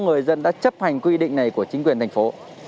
người dân đã chấp hành quy định này của chính quyền thành phố